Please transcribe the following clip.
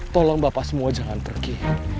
tolong bapak semua jangan pergi